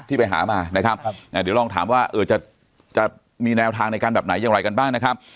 ที่ไปหามานะครับเดี๋ยวลองถามว่าจะมีแนวทางในการแบบไหนอย่างไรกันบ้างนะครับ